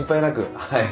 はい。